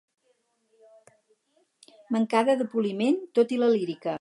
Mancada de poliment, tot i la lírica.